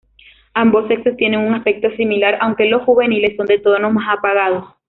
Ambos sexos tienen un aspecto similar, aunque los juveniles son de tonos más apagados.